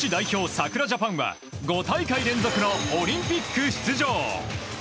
さくらジャパンは５大会連続のオリンピック出場。